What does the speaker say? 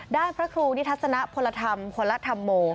ด้านพระครูนิทธสนพลธรรมพลธรรโม